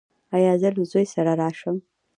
ایا زه له زوی سره راشم؟